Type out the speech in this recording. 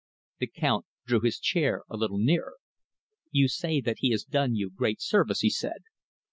The Count drew his chair a little nearer. "You say that he has done you great service," he said.